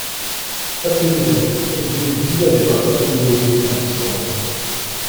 Herr Präsident, ich empfehle, dieser Debatte Priorität einzuräumen.